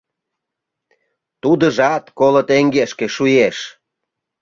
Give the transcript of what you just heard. Тудыжат коло теҥгешке шуэш.